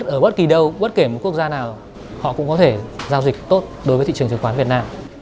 ở bất kỳ đâu bất kể một quốc gia nào họ cũng có thể giao dịch tốt đối với thị trường chứng khoán việt nam